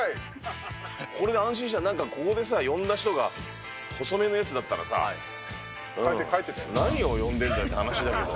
これで安心した、ここで呼んだ人が細めのやつだったらさ、何を呼んでんだよって話だけど。